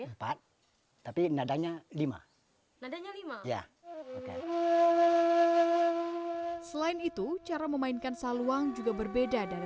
empat tapi nadanya lima nadanya lima ya oke selain itu cara memainkan saluang juga berbeda dari